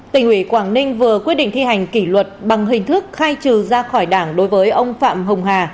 tỉnh ủy quảng ninh vừa quyết định thi hành kỷ luật bằng hình thức khai trừ ra khỏi đảng đối với ông phạm hồng hà